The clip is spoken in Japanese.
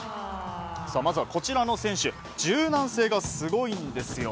まずはこちらの選手柔軟性がすごいんですよ。